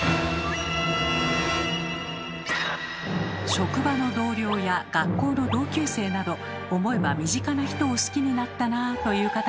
職場の同僚や学校の同級生など思えば身近な人を好きになったなあという方も多いはず。